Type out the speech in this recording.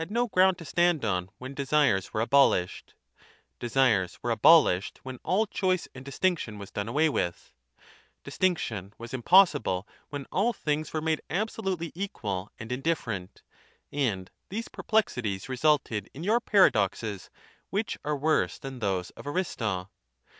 XXV ground to stand on when desires were abolished; desires were abolished when all choice and distinc tion was done away with ; distinction was impossible when all things were made absolutely equal and in different ; and these perplexities resulted in your paradoxes, which are worse than those of Aristo.